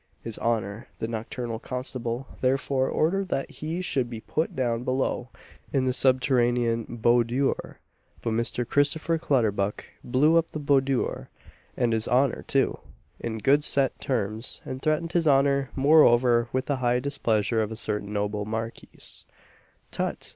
His honour, the nocturnal constable, therefore, ordered that he should be put down below in the subterranean boudoir; but Mr. Christopher Clutterbuck blew up the boudoir, and his honour too, in good set terms, and threatened his honour, moreover, with the high displeasure of a certain noble marquis. "Tut!